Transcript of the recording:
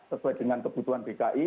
sesuai dengan kebutuhan dki